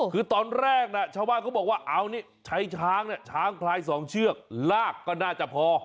คือตอนแรกนะชาวบ้านเขาบอกว่าเอานี่ใช้ช้างเนี่ยช้างพลายสองเชือกลากก็น่าจะพอ